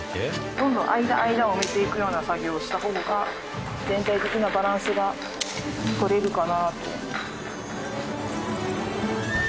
どんどん間間を埋めていくような作業をした方が全体的なバランスが取れるかなと。